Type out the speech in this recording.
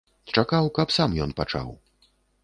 Чакаў, каб сам ён пачаў.